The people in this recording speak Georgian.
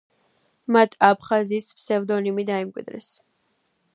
მათ აფხაზის ფსევდონიმი დაიმკვიდრეს.